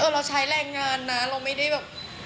เราใช้แรงงานนะเราไม่ได้แบบ